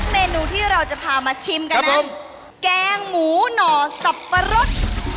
เมนูที่เราจะพามาชิมกันนั้นแกงหมูหน่อสับปะรด